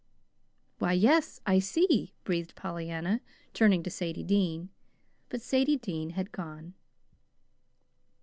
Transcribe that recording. "Why, yes, I see," breathed Pollyanna, turning to Sadie Dean. But Sadie Dean had gone.